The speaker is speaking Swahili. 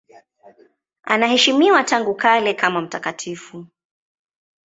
Anaheshimiwa tangu kale kama mtakatifu.